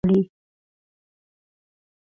هلکان زړخوږي شوي دي او غوښه غواړي